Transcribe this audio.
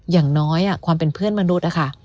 อย่างน้อยความเป็นเพื่อนมนุษย์นะคะ